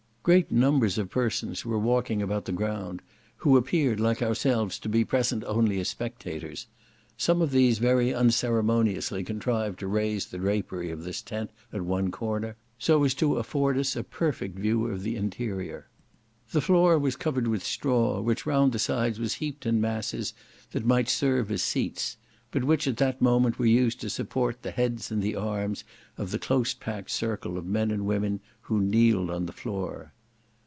Great numbers of persons were walking about the ground, who appeared like ourselves to be present only as spectators; some of these very unceremoniously contrived to raise the drapery of this tent, at one comer, so as to afford us a perfect view of the interior. The floor was covered with straw, which round the sides was heaped in masses, that might serve as seats, but which at that moment were used to support the heads and the arms of the close packed circle of men and women who kneeled on the floor.